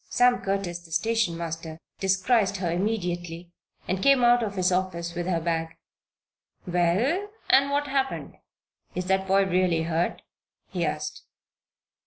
Sam Curtis, the station master, descried her immediately and came out of his office with her bag. "Well, and what happened? Is that boy really hurt?" he asked.